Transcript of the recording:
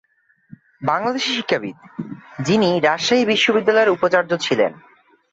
বাংলাদেশী শিক্ষাবিদ যিনি রাজশাহী বিশ্ববিদ্যালয়ের উপাচার্য ছিলেন।